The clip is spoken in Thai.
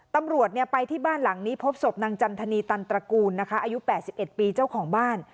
ตำรวจไปที่บ้านหลังนี้พบศพนางจันทนีตันตระกูลนะคะอายุ๘๑ปีเจ้าของบ้าน